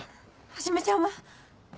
はじめちゃんは？